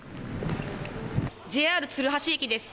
ＪＲ鶴橋駅です。